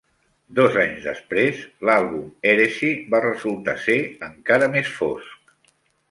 Dos anys després, l'àlbum "Heresie" va resultar ser encara més fosc.